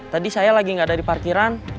tadi saya lagi nggak ada di parkiran